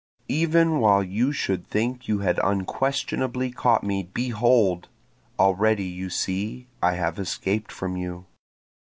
Even while you should think you had unquestionably caught me, behold! Already you see I have escaped from you.